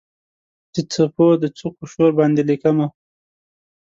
د څپو د څوکو شور باندې لیکمه